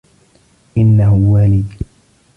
إنه والدي.